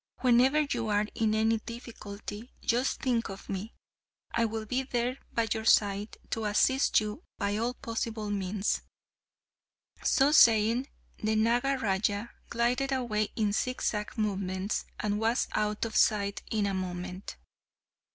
Whenever you are in any difficulty just think of me. I will be there by your side to assist you by all possible means." So saying, the Nagaraja glided away in zigzag movements, and was out of sight in a moment.